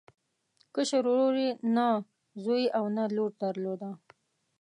کشر ورور یې نه زوی او نه لور درلوده.